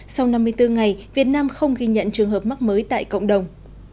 sau năm mươi bốn ngày việt nam không ghi nhận trường hợp mắc mới tại cộng đồng